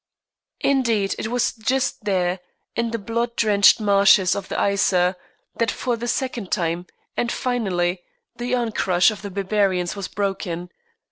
Indeed it was just there, in the blood drenched marshes of the Yser, that for the second time, and finally, the onrush of the barbarians was broken.